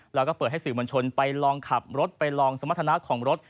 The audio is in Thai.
แล้วก็เปิดให้สื่อมวลชนไปลองขับรถไปลองสมรรถนะของรถ